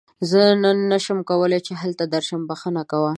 زه نن نشم کولی چې هلته درشم، بښنه کوه.